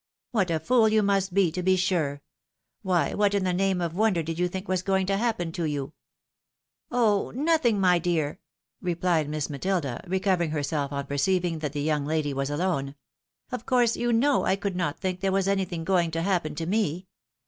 '' What a fool you must be, to be sure I Why, what in thenameof wonder did you think was going, to happen to you?" " Oh! nothing, my dear," rephed Miss Matilda, recovering herself on perceiving that the young lady was alone. "Of course, you know, I could not think there was anything going to happen to me.